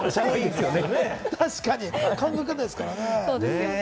確かに考え方ですからね。